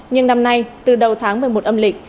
nhưng năm nay từ đầu tháng một mươi một âm lịch